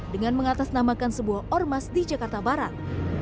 dengan mengatasnamakan sebuah ormas di jakarta barat